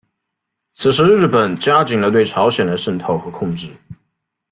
此时日本加紧了对朝鲜的渗透和控制。